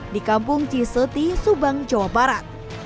di kampung ciseti subang jawa barat